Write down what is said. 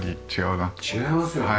違いますよね。